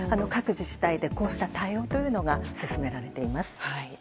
各自治体でこうした対応が進められています。